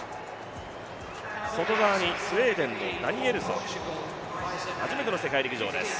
外側にスウェーデンのダニエルソン、初めての世界陸上です。